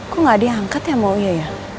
kok gak diangkat yang mau iya ya